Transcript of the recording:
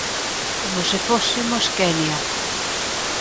Coma se fósemos Quenia.